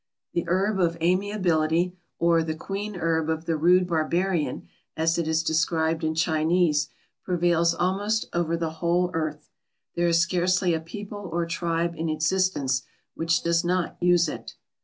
The "Herb of Amiability," or the "Queen Herb of the rude Barbarian" as it is described in Chinese, prevails almost over the whole earth. There is scarcely a people or tribe in existence which does not use it.